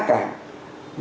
của người tiêu dùng